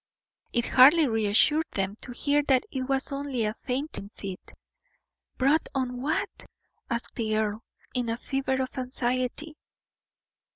It hardly reassured them to hear that it was only a fainting fit. "Brought on by what?" asked the earl, in a fever of anxiety.